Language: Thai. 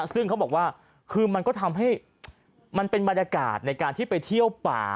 ซึ่งเขาบอกว่าคือมันก็ทำให้มันเป็นบรรยากาศในการที่ไปเที่ยวป่า